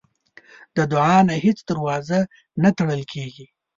د دعا نه هیڅ دروازه نه تړل کېږي.